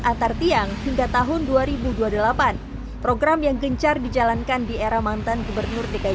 antar tiang hingga tahun dua ribu dua puluh delapan program yang gencar dijalankan di era mantan gubernur dki